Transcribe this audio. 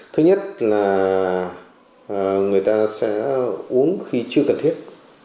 thứ nhất là người ta sẽ uống khi chưa cần thiết